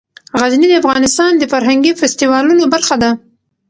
غزني د افغانستان د فرهنګي فستیوالونو برخه ده.